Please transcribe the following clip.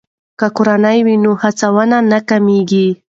که کورنۍ وي نو هڅونه نه کمیږي.